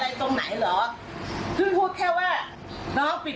แล้วคุณไม่หวิดเบืองลูกค้านั่งอยู่